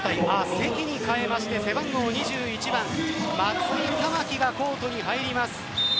関に代えまして背番号２１番松井珠己がコートに入ります。